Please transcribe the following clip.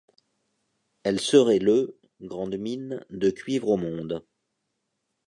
Elle serait le grande mine de cuivre au monde.